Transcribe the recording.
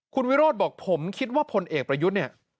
คุณวิโรธบอกผมคิดว่าพลเอกประยุทธ์เนี่ย